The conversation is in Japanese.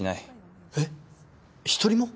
えっ一人も？